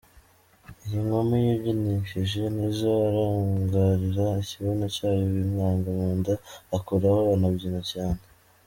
Iyi nkumi yabyinishije Nizzo arangarira ikibuno cyayoBimwanga mu nda akoraho banabyina cyane.